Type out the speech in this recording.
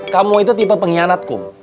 kamu itu tipe pengkhianat kum